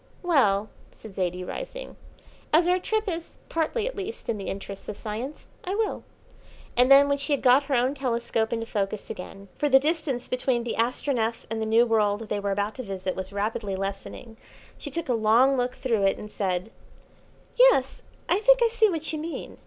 "Well," said Zaidie, rising, "as our trip is, partly at least, in the interests of science, I will;" and then when she had got her own telescope into focus again for the distance between the Astronef and the new world they were about to visit was rapidly lessening she took a long look through it, and said: "Yes, I think I see what you mean.